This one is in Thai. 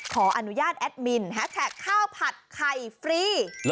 ขออนุญาตแอดมินแฮชแท็กข้าวผัดไข่ฟรี